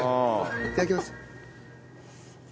いただきます。